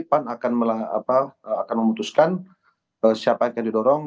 pan akan memutuskan siapa yang akan didorong